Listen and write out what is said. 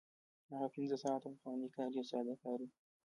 هغه پنځه ساعته پخوانی کار یو ساده کار و